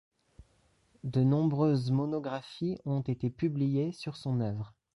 De nombreuses monographies ont été publiées sur son œuvre.